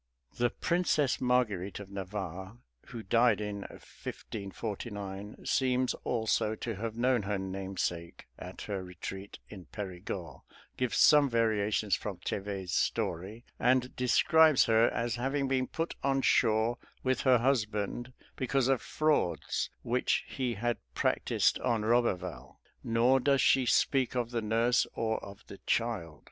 The Princess Marguerite of Navarre, who died in 1549, seems also to have known her namesake at her retreat in Perigord, gives some variations from Thevet's story, and describes her as having been put on shore with her husband, because of frauds which he had practised on Roberval; nor does she speak of the nurse or of the child.